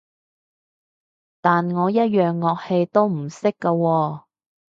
但我一樣樂器都唔識㗎喎